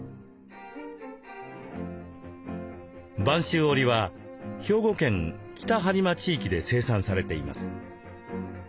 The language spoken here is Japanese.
播州織は兵庫県・北播磨地域で生産されています。